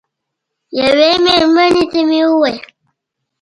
یوه مېرمنې ته مې وویل.